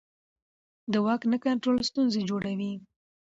د واک نه کنټرول ستونزې جوړوي